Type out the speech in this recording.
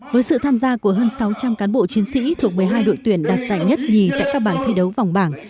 với sự tham gia của hơn sáu trăm linh cán bộ chiến sĩ thuộc một mươi hai đội tuyển đạt giải nhất nhì tại các bảng thi đấu vòng bảng